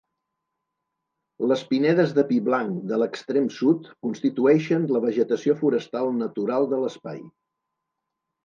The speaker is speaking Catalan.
Les pinedes de pi blanc de l’extrem sud constitueixen la vegetació forestal natural de l’espai.